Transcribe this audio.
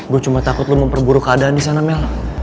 gue cuma takut lo memperburu keadaan di sana mel